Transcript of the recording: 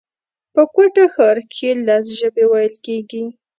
په کوټه ښار کښي لس ژبي ویل کېږي